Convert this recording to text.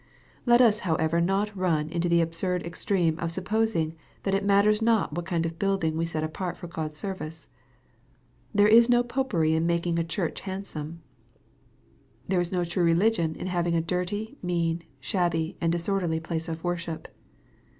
Let us however not run into the absurd extreme of supposing that it matters not what kind of building we set apart for God's service. There is no Popery in making a church handsome. There is no true religion in having a dirty, mean, shabby, and disorderly place of worship.